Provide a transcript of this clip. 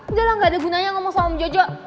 enggak lah gak ada gunanya ngomong sama om jojo